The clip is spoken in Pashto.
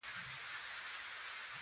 درېیم ته حاجت نشته.